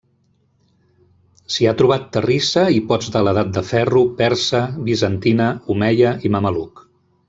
S'hi ha trobat terrissa i pots de l'Edat de Ferro, persa, bizantina, omeia i mameluc.